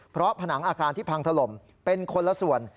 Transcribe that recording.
เพราะผนังอาคารที่พังถล่มเป็นคนละส่วน